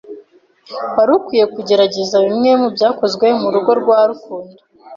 Wari ukwiye kugerageza bimwe mubyakozwe murugo rwa Rukundo.